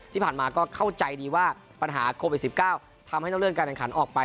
ที่ผ่านมาก็เข้าใจดีว่าปัญหาโควิด๑๙ทำให้ต้องเลื่อนการแข่งขันออกไป